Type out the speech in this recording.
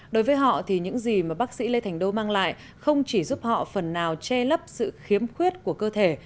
đối với họ thì những gì mà bác sĩ lê thành đô mang lại không chỉ giúp họ phần nào che lấp sự khiếm khuyết của cơ thể